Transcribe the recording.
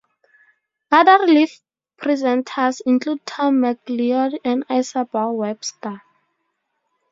Other relief presenters include Tom Macleod and Isabel Webster.